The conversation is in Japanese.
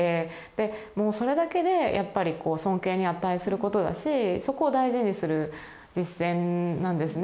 もうそれだけでやっぱり尊敬に値することだしそこを大事にする実践なんですね。